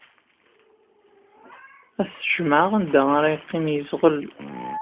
Ad t-jemɛeɣ anda ara yeqqim yeẓɣel.